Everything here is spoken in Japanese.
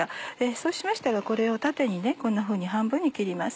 そうしましたらこれを縦にこんなふうに半分に切ります。